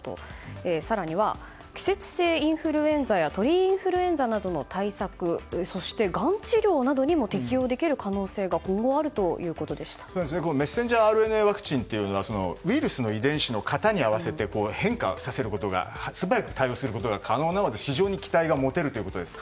更には、季節性インフルエンザや鳥インフルエンザなどの対策そして、がん治療などにも適用できる可能性がメッセンジャーＲＮＡワクチンウイルスの遺伝子の型に合わせて変化させることが素早く対応することが可能なので非常に期待が持てるということです。